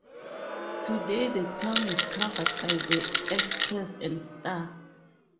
Today the town is covered by the Express and Star.